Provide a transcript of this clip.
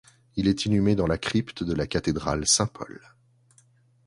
Il est inhumé dans la crypte de la cathédrale Saint-Paul.